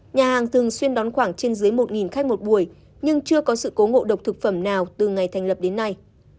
nhà hàng thường xuyên đón khoảng trên dưới một khách một buổi nhưng chưa có sự cố ngộ độc thực phẩm nào từ ngày thành lập đến nay